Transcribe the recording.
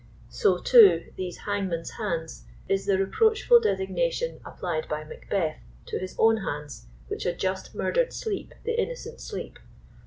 *' So, too, "these hangman's hands" is the reproachful designation applied by Macbeth to his own hands which had just " mur dered sleep, the innocent sleep."